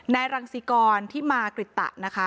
รังสิกรที่มากริตะนะคะ